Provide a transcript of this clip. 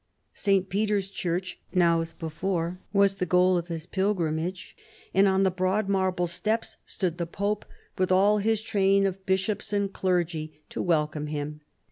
St. Peter's Church, now as before, was the goal of his pilgrimage, and on the broad marble stairs stood the pope, witii all his train of bishops and clergy, to welcome him.